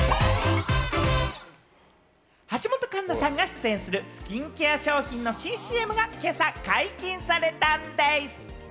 橋本環奈さんが出演するスキンケア商品の新ＣＭが今朝解禁されたんです。